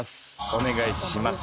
お願いします。